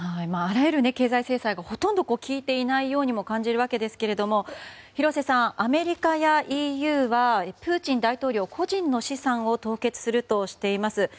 あらゆる経済制裁がほとんど効いていないようにも感じますが廣瀬さん、アメリカやＥＵはプーチン大統領個人の資産を凍結するとしています。